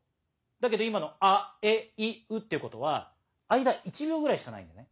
だけど今の「あえいう」っていうことは間１秒ぐらいしかないんだよね